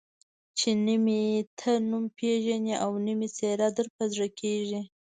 چې نه مې ته نوم پېژنې او نه مې څېره در په زړه کېږي.